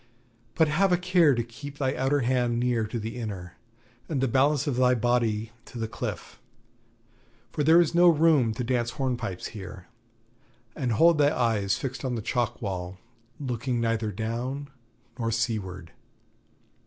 But have a care to keep thy outer hand near to the inner, and the balance of thy body to the cliff, for there is no room to dance hornpipes here. And hold thy eyes fixed on the chalk wall, looking neither down nor seaward.'